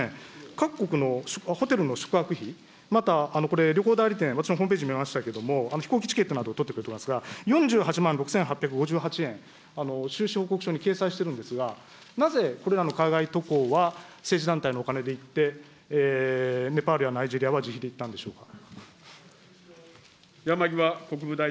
各国のホテルの宿泊費、またこれ、旅行代理店、私もホームページ見ましたけれども、飛行機チケットなどを取ってくれてますが、円、収支報告書に記載してるんですが、なぜこれらの海外渡航は、政治団体のお金で行って、ネパールやナイジェリアは自費で行ったんでしょうか。